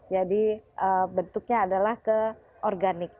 jadi bentuknya adalah ke organik